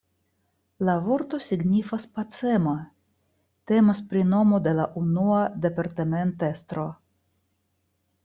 La vorto signifas pacema, temas pri nomo de la unua departementestro.